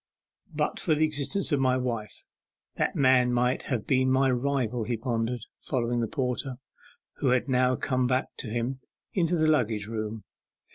'But for the existence of my wife that man might have been my rival,' he pondered, following the porter, who had now come back to him, into the luggage room.